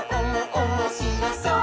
おもしろそう！」